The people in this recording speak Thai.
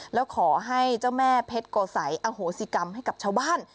แล้วขอให้เจ้าแม่เพชรโกสัยอโหสิกรรมให้กับชาวบ้าน